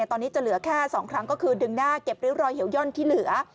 ตอนนี้จะเหลือแค่๒ครั้งก็คือดึงหน้าเก็บริ้วรอยเหี่ยวย่อนที่เหลือ